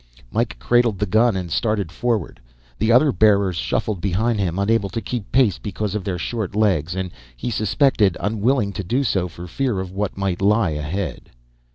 Mike cradled the gun and started forward. The other bearers shuffled behind him, unable to keep pace because of their short legs and he suspected unwilling to do so for fear of what might lie ahead.